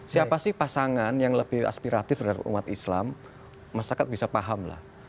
siapa sih pasangan yang lebih aspiratif terhadap umat islam masyarakat bisa paham lah